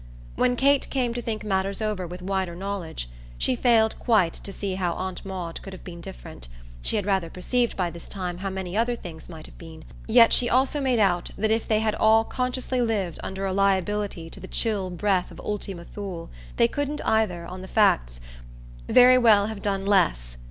When Kate came to think matters over with wider knowledge, she failed quite to see how Aunt Maud could have been different she had rather perceived by this time how many other things might have been; yet she also made out that if they had all consciously lived under a liability to the chill breath of ultima Thule they couldn't either, on the facts, very well have done less.